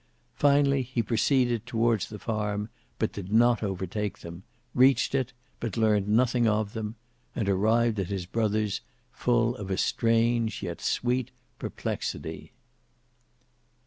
Finally he proceeded towards the farm, but did not overtake them; reached it, but learned nothing of them; and arrived at his brother's full of a strange yet sweet perplexity.